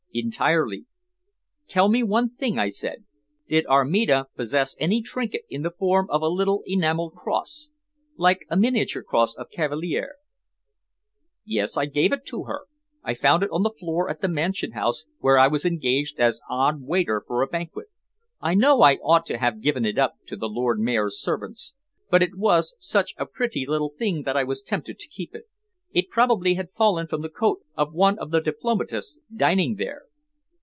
"Entirely." "Tell me one thing," I said. "Did Armida possess any trinket in the form of a little enameled cross like a miniature cross of cavaliere?" "Yes; I gave it to her. I found it on the floor at the Mansion House, where I was engaged as odd waiter for a banquet. I know I ought to have given it up to the Lord Mayor's servants, but it was such a pretty little thing that I was tempted to keep it. It probably had fallen from the coat of one of the diplomatists dining there."